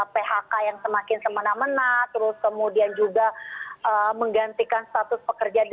phk yang semakin semena mena terus kemudian juga menggantikan status pekerja di